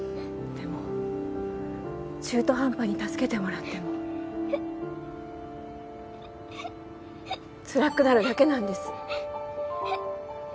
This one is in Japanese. でも中途半端に助けてもらってもつらくなるだけなんです。